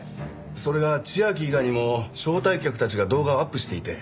それが千秋以外にも招待客たちが動画をアップしていて。